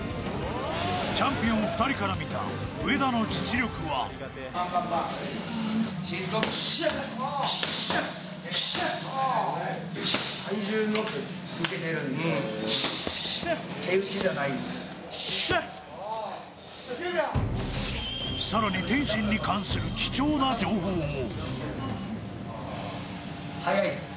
チャンピオン２人から見た上田の実力は更に天心に関する貴重な情報も。